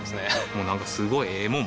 もうなんかすごいええもん